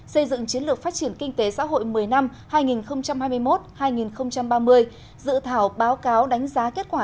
xây dựng chiến lược phát triển kinh tế xã hội một mươi năm hai nghìn hai mươi một hai nghìn ba mươi dự thảo báo cáo đánh giá kết quả